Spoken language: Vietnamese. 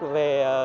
về điện lần này